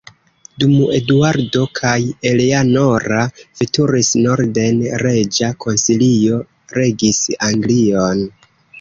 Dum Eduardo kaj Eleanora veturis norden, reĝa konsilio regis Anglion.